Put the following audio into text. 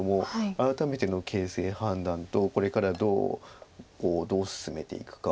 改めての形勢判断とこれからどう進めていくか。